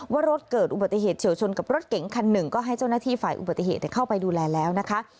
ว่ารถเกิดอุบัติเหตุเฉียวชนกับรถเก๋งคันหนึ่งก็ให้เจ้าหน้าที่ฝ่ายอุบัติเหตุเข้าไปดูแลแล้วนะคะ